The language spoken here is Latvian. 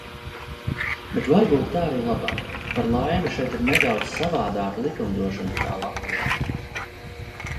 Bet varbūt tā arī labāk. Par laimi, šeit ir nedaudz savādāka likumdošana, kā Latvijā.